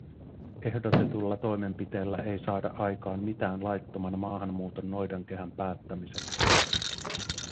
Ehdotetulla toimenpiteellä ei saada aikaan mitään laittoman maahanmuuton noidankehän päättämiseksi.